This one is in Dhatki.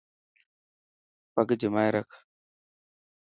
پگ جمائي رک.